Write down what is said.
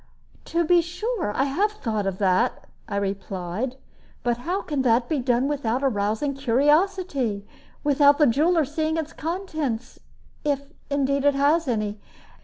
"To be sure; I have thought of that," I replied. "But how can that be done without arousing curiosity? without the jeweler seeing its contents, if indeed it has any?